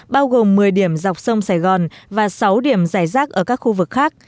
bao gồm một mươi điểm dọc sông sài gòn và sáu điểm dài rác ở các khu vực khác